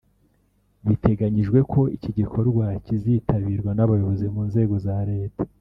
Biteganyijwe ko iki gikorwa kizitabirwa n’abayobozi mu nzego za leta